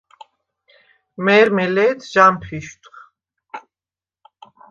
მე̄რმე ლე̄თ ჟამფიშვდხ.